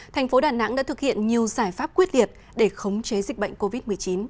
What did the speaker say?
thành phố đà nẵng đã thực hiện nhiều giải pháp quyết liệt để khống chế dịch bệnh covid một mươi chín